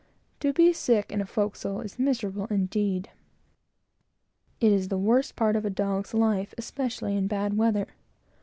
To be sick in a forecastle is miserable indeed. It is the worst part of a dog's life; especially in bad weather.